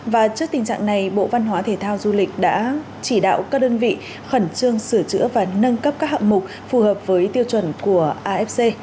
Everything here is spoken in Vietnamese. và trước tình trạng này bộ văn hóa thể thao du lịch đã chỉ đạo các đơn vị khẩn trương sửa chữa và nâng cấp các hạng mục phù hợp với tiêu chuẩn của afc